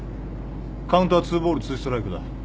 カウントは２ボール２ストライクだ。